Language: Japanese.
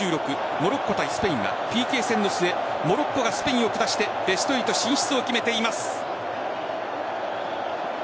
モロッコ対スペインはＰＫ戦の末モロッコがスペインを下してベスト８進出を決めています。